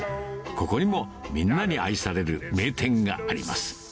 ここにもみんなに愛される名店があります。